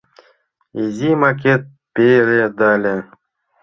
Изи макет пеледале